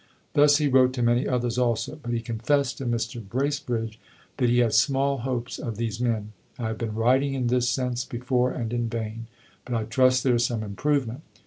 Thus he wrote to many others also; but he confessed to Mr. Bracebridge that he had "small hopes of these men. I have been writing in this sense before, and in vain; but I trust there is some improvement.